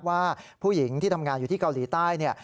ว่าผู้หญิงที่ทำงานอยู่ที่เกาหลีใต้เนี่ย